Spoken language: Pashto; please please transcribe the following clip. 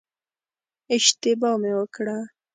اشتباه مې وکړه.